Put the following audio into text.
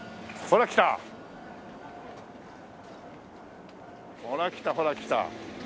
ほら来たほら来た。